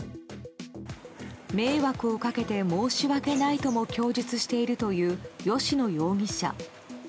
迷惑をかけて申し訳ないとも供述しているという吉野容疑者。